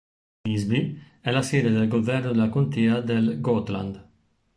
Visby è la sede del governo della contea del Gotland.